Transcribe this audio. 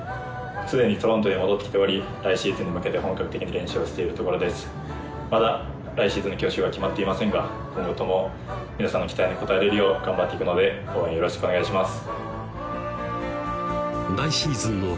既にトロントに戻ってきており来シーズンに向けて本格的に練習をしているところですまだ来シーズンの去就は決まっていませんが今後とも皆さんの期待に応えられるよう頑張っていくので応援よろしくお願いします